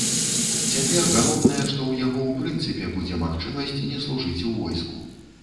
Цяпер галоўнае, што ў яго ў прынцыпе будзе магчымасць не служыць у войску.